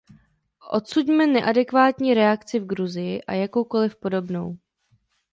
Odsuďme neadekvátní reakci v Gruzii a jakoukoliv podobnou.